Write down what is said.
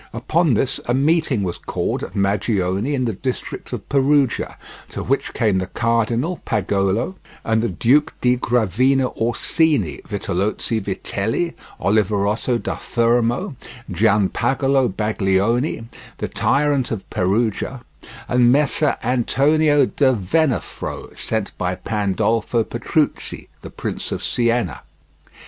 Upon this a meeting was called at Magione in the district of Perugia, to which came the cardinal, Pagolo, and the Duke di Gravina Orsini, Vitellozzo Vitelli, Oliverotto da Fermo, Gianpagolo Baglioni, the tyrant of Perugia, and Messer Antonio da Venafro, sent by Pandolfo Petrucci, the Prince of Siena.